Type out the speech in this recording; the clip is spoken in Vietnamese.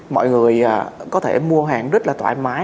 mọi người có thể mua hàng rất là thoải mái